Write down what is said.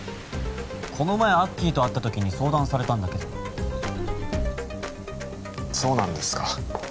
この前アッキーと会った時に相談されたんだけどそうなんですか